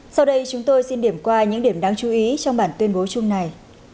sau đây chúng tôi xin điểm qua những điểm đáng chú ý trong bản tuyên bố chung này